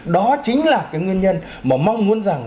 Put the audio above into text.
đó chính là cái nguyên nhân mà mong muốn rằng